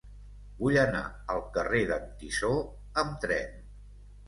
Vull anar al carrer d'en Tissó amb tren.